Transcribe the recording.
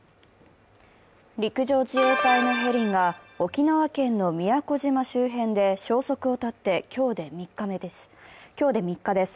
陸上自衛隊のヘリが沖縄県の宮古島周辺で消息を絶って今日で３日です。